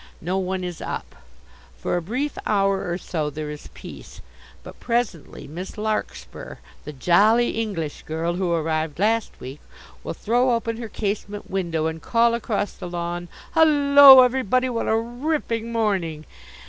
No one is up. For a brief hour or so there is peace. But presently Miss Larkspur the jolly English girl who arrived last week will throw open her casement window and call across the lawn, "Hullo everybody! What a ripping morning!"